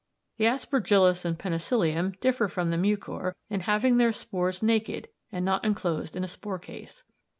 The Aspergillus and the Penicillium differ from the Mucor in having their spores naked and not enclosed in a spore case.